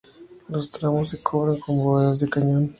Los tramos se cubren con bóvedas de cañón.